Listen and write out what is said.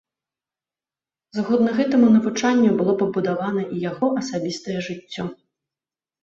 Згодна гэтаму навучанню было пабудавана і яго асабістае жыццё.